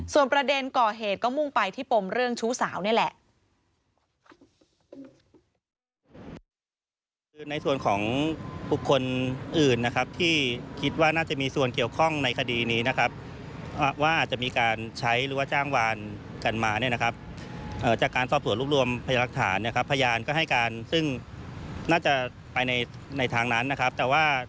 ส่วนประเด็นก่อเหตุก็มุ่งไปที่ปมเรื่องชู้สาวนี่แหละ